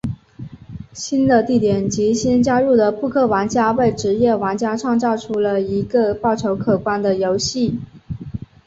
新的地点及新加入的扑克玩家为职业玩家创造出了一个报酬可观的游戏。